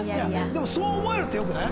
でもそう思えるってよくない？